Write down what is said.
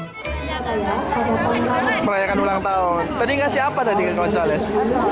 " perayaan penginginan ulang tahun tadi dikasih apa tadi ke gonzales "